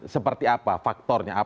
seperti apa faktornya